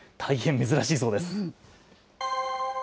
大変珍しいそうです。